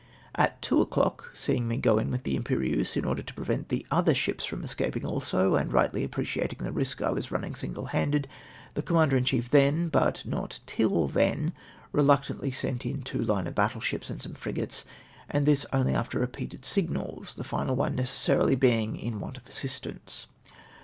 At two o'clock — seeing me go in Avith the Lnperieuse., in order to prevent tlie other ships from escapmg also, and rightly appreciating the risk I was riimiin.g single handed, the Commander in chief then, but not till then, reluctantly sent in two hne of battle ships and some frigates, and this only after repeated signals — the final one necessarily being in icant of assistnnce.